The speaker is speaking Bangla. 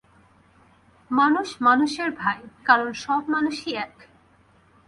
মানুষ মানুষের ভাই, কারণ সব মানুষই এক।